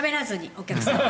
お客さんが。